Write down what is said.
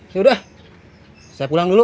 yaudah saya pulang dulu